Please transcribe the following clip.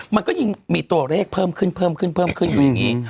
มันก็ยิ่งมีตัวเลขเพิ่มขึ้นอยู่อย่างนี้